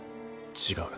違う。